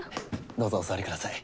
どうぞお座りください。